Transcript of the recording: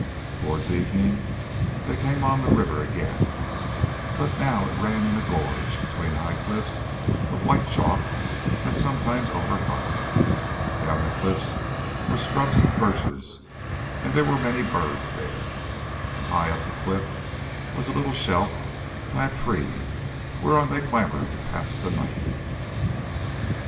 Towards evening they came on the river again, but now it ran in a gorge, between high cliffs of white chalk that sometimes overhung it. Down the cliffs was a scrub of birches and there were many birds there. And high up the cliff was a little shelf by a tree, whereon they clambered to pass the night.